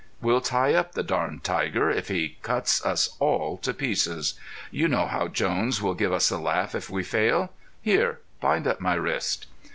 "We'll tie up the darned tiger, if he cuts us all to pieces. You know how Jones will give us the laugh if we fail. Here, bind up my wrist."